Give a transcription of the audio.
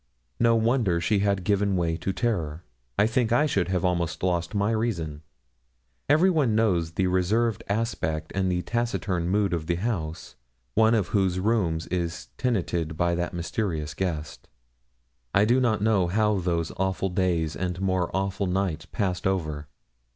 No wonder she had given way to terror. I think I should have almost lost my reason. Everyone knows the reserved aspect and the taciturn mood of the house, one of whose rooms is tenanted by that mysterious guest. I do not know how those awful days, and more awful nights, passed over.